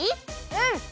うん。